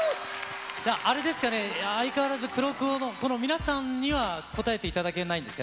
あれですかね、相変わらず、黒子の皆さんには、答えていただけないんですか？